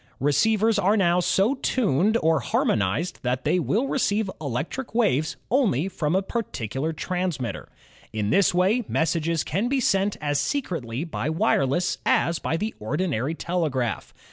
Receivers are now so tuned or harmonized that they will receive electric waves only from a particular JOHN P. HOLLAND AND THE SUBMARINE 265 transmitter. In this way, messages can be sent as secretly by wireless as by the ordinary telegraph.